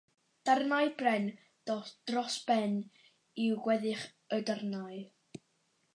Darnau Bren dros ben yw gweddill y darnau.